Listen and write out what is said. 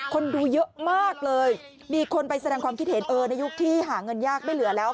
คนดูเยอะมากเลยมีคนไปแสดงความคิดเห็นเออในยุคที่หาเงินยากไม่เหลือแล้ว